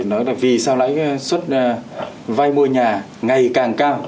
nó là vì sao lãi xuất vay mua nhà ngày càng cao